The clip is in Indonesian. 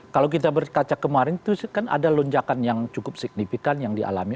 kalau kita berkaca kemarin itu kan ada lonjakan yang cukup signifikan yang dialami